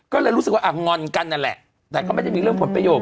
ก็เลยรู้สึกว่าอ่ะงอนกันนั่นแหละแต่ก็ไม่ได้มีเรื่องผลประโยชน